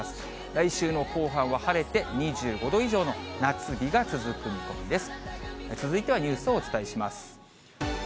来週の後半は晴れて２５度以上の夏日が続く見込みです。